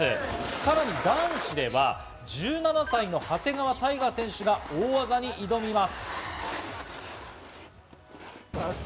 さらに男子では１７歳の長谷川帝勝選手が大技に挑みます。